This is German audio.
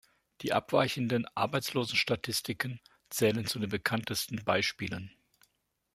Die abweichenden Arbeitslosenstatistiken zählen zu den bekanntesten Beispielen.